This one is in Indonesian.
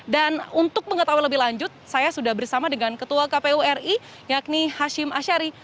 untuk mengetahui lebih lanjut saya sudah bersama dengan ketua kpu ri yakni hashim ashari